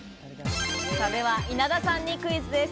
では稲田さんにクイズです。